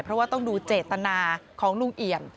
เพราะว่าต้องดูเจตนาของลุงเอี่ยม